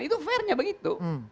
itu fairnya begitu